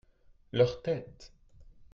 leurs têtes.